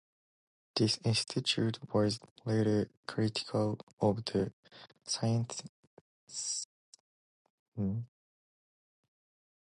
This institute was later critical of the scientific consensus on anthropogenic global warming.